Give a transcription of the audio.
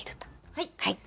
はい。